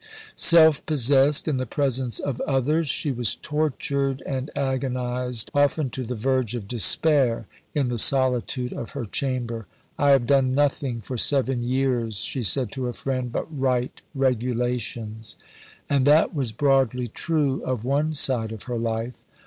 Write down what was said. Self possessed in the presence of others, she was tortured and agonized, often to the verge of despair, in the solitude of her chamber. "I have done nothing for seven years," she said to a friend, "but write regulations." And that was broadly true of one side of her life.